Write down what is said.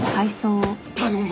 頼む！